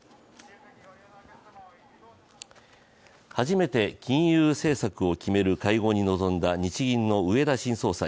初めて金融政策を決める会合に臨んだ日銀の植田新総裁。